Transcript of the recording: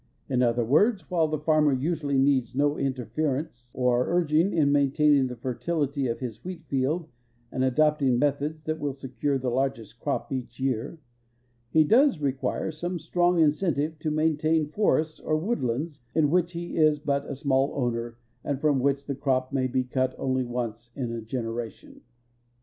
In other words, while the farmer usually needs no interference or urging in maintaining the fertilit}^ of his wheat field and adopting methods that will secure the largest crop each year, he does require some strong incentive to maintain forests or wood lands in which he is but a small owner and from which the crop may be cut onl}^ once in a generation.